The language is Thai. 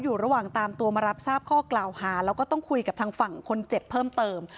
อยู่ระหว่างตามตัวมารับทราบข้อกล่าวหาแล้วก็ต้องคุยกับทางฝั่งคนเจ็บเพิ่มเติม